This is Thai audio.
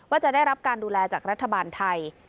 ว่าจะได้รับการดูแลจากรัฐบาลไทย